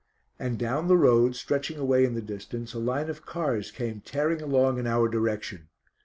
And down the road, stretching away in the distance, a line of cars came tearing along in our direction.